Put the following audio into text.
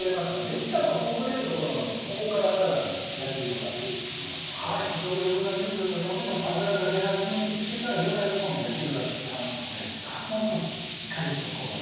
いったんほぐれるところまでここからさらに焼き色がついてきますので余分な水分が飛んで脂が出始めてきてからようやく焼き色がつきますのでもう少しカリっと香ばしく。